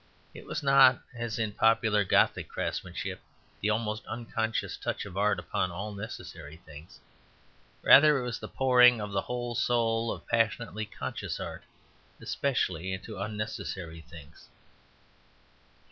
It was not, as in popular Gothic craftsmanship, the almost unconscious touch of art upon all necessary things: rather it was the pouring of the whole soul of passionately conscious art especially into unnecessary things.